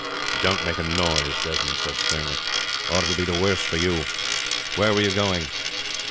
"Don't make a noise," Desmond said sternly, "or it will be the worse for you. Where were you going?"